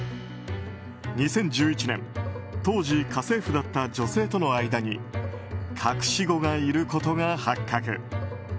２０１１年当時、家政婦だった女性との間に隠し子がいることが発覚。